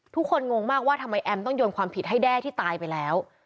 งงมากว่าทำไมแอมต้องโยนความผิดให้แด้ที่ตายไปแล้ว